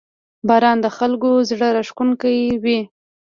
• باران د خلکو زړه راښکونکی وي.